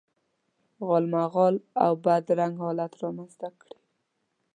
غالمغال او بد رنګ حالت رامنځته کړي.